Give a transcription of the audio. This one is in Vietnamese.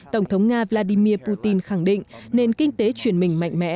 tổng thống nga vladimir putin khẳng định nền kinh tế chuyển mình mạnh mẽ